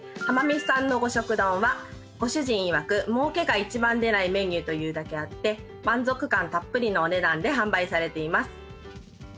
浜めしさんの五色丼はご主人曰く儲けが一番出ないメニューというだけあって満足感たっぷりのお値段で販売されています。